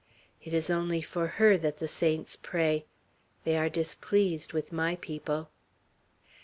It is only for her that the saints pray. They are displeased with my people."